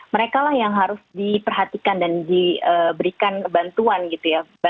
mereka lah yang harus diperhatikan dan diberikan bantuan gitu ya